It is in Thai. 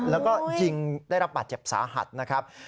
แล้วก็ยิงได้รับบาดเจ็บสาหัสนะครับ